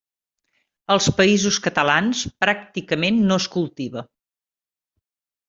Als Països Catalans pràcticament no es cultiva.